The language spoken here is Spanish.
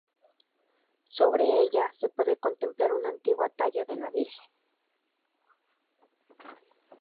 Sobre ella se puede contemplar una antigua talla de la Virgen.